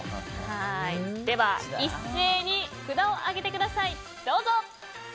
では、一斉に札を上げてください。